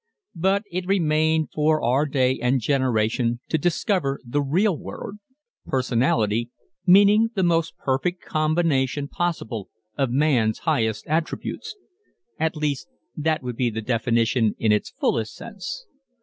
But it remained for our day and generation to discover the real word personality meaning the most perfect combination possible of man's highest attributes. At least that would be the definition in its fullest sense.